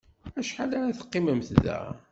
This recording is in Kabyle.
Acḥal ara teqqimemt da?